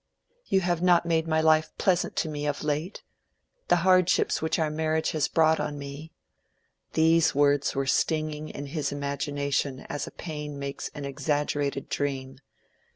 "You have not made my life pleasant to me of late"—"the hardships which our marriage has brought on me"—these words were stinging his imagination as a pain makes an exaggerated dream.